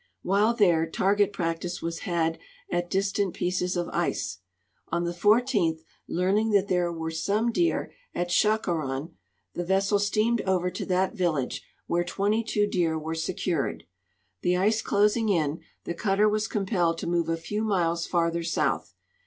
^Vhile there target practice was had at distant pieces of ice. On the 14th, learning that there were some deer at Chacoran, the vessel steamed over to that village, Avhere 22 deer were secured. The ice closing in, the cutter was compelled to move a few miles forther south.